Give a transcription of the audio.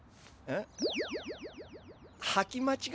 えっ？